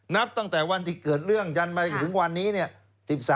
นับตั้งแต่วันที่เกิดเรื่องยันมาจนถึงวันนี้เนี่ย